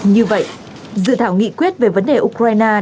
như vậy dự thảo nghị quyết về vấn đề ukraine đã không được phát triển